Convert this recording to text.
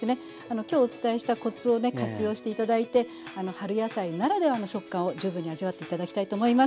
今日お伝えしたコツをね活用して頂いて春野菜ならではの食感を十分に味わって頂きたいと思います。